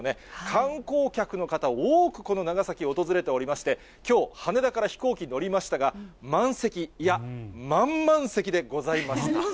観光客の方、多くこの長崎を訪れておりまして、きょう、羽田から飛行機に乗りましたが、満席、いや、満々席でございました。